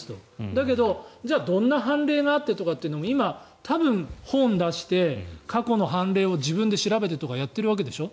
だけど、どんな判例があってとかということを本を出して過去の判例を自分で調べてとかやっているわけでしょ。